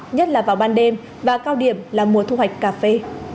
nhất là vào ban đêm và cao điểm là mùa thu hoạch cà phê